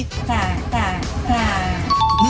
จ่ายจ่ายจ่าย